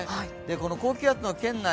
この高気圧の圏内